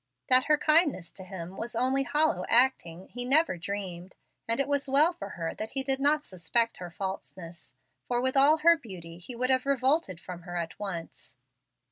That her kindness to him was only hollow acting he never dreamed, and it was well for her that he did not suspect her falseness, for with all her beauty he would have revolted from her at once.